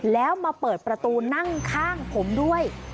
แล้วมาเปิดประตูนั่งข้างผมด้วย